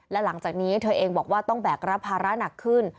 และหลังจากนี้เธอเองบอกว่าต้องแบกรับภาระหนักขึ้น